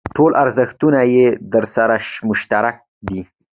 ټول ارزښتونه یې درسره مشترک دي.